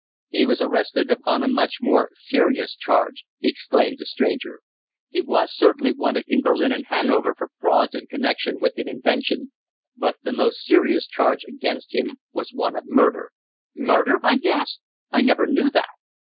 "He was arrested upon a much more serious charge," exclaimed the stranger. "He was certainly wanted in Berlin and Hanover for frauds in connection with an invention, but the most serious charge against him was one of murder." "Murder!" I gasped. "I never knew that!"